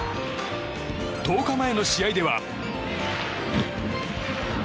１０日前の試合では。